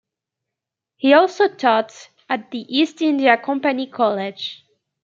He also taught at the East India Company College.